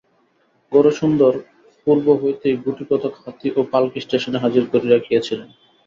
গৌরসুন্দর পূর্ব হইতেই গুটিকতক হাতি ও পালকি স্টেশনে হাজির রাখিয়াছিলেন।